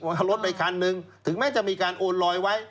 เอารถไปคันหนึ่งถึงแม้จะมีการโอนลอยไว้